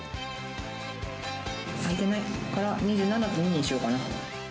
空いてないから２７と２にしようかな。